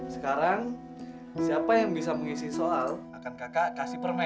sekarang siapa yang bisa mengisi soal akan kakak kasih permen